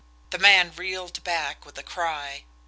The man reeled back, with a cry.